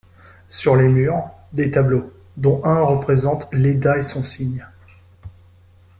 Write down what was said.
Sur les murs, des tableaux, dont un représente "Léda et son cygne".